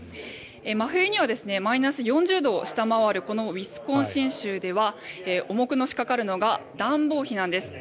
真冬にはマイナス４０度を下回るウィスコンシン州では重くのしかかるのが暖房費なんです。